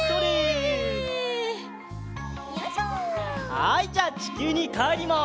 はいじゃあちきゅうにかえります。